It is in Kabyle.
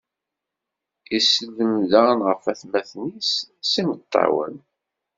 Isellem daɣen ɣef watmaten-is s imeṭṭawen.